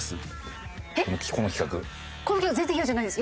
この企画全然イヤじゃないです。